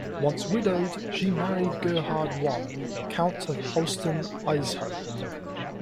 Once widowed she married Gerhard I, Count of Holstein-Itzehoe.